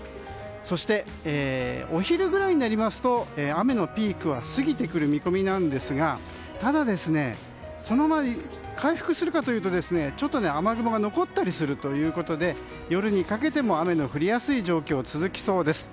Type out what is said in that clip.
そして、お昼ぐらいになりますと雨のピークは過ぎてくる見込みですがただ、回復するかというとちょっと雨雲が残ったりするということで夜にかけても雨の降りやすい状況が続きそうです。